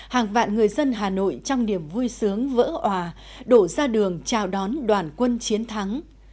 hàng vạn người dân hà nội trong niềm vui sướng vỡ hòa đổ ra đường chào đón đoàn quân chiến thắng